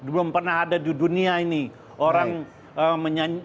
belum pernah ada di dunia ini orang menyanyi